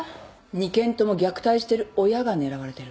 ２件とも虐待してる親が狙われてる。